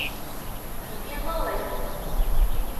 底边猫雷！